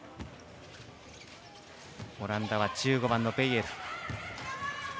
オランダは１５番のベイエル。